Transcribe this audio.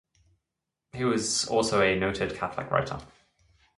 He was also a noted Catholic writer.